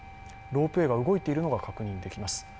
ロープウエーが動いているのが確認できます。